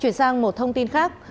chuyển sang một thông tin khác